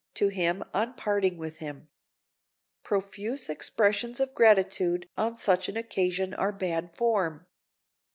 to him on parting with him. Profuse expressions of gratitude on such an occasion are bad form.